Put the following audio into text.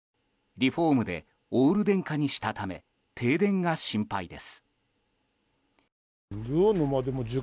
リフォームでオール電化にしたため停電が心配です。